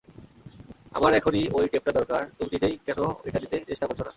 আমার এখনই ঐ টেপটা দরকার তুমি নিজেই কেনো এটা নিতে চেষ্টা করছোনা?